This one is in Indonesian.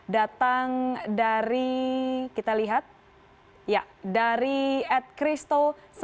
datang dari kita lihat ya dari atkristo sembilan dua tiga dua sembilan enam